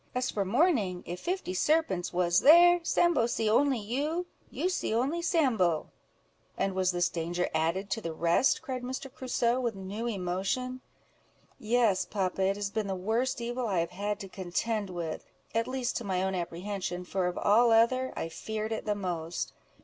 As for morning, if fifty serpents was there, Sambo see only you—you see only Sambo." "And was this danger added to the rest?" cried Mr. Crusoe, with new emotion. "Yes, papa; it has been the worst evil I have had to contend with, at least to my own apprehension, for of all other, I feared it the most.